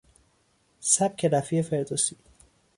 سبک رفیع فردوسی